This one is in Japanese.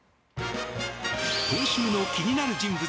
今週の気になる人物